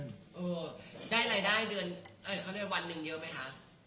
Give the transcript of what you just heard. ได้อะไรรายได้เดือนเขาเรียกว่าวันหนึ่งเยอะไหมคะ